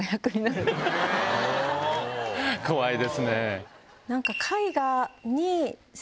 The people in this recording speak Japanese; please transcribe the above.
怖いですね。